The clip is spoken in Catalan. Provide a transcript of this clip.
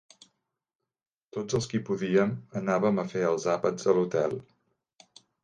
Tots els qui podíem anàvem a fer els àpats a l'Hotel